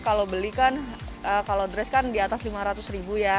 kalau beli kan kalau dress kan di atas lima ratus ribu ya